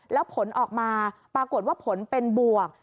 แล้วผลออกมาปรากฏว่าผลเป็นบวก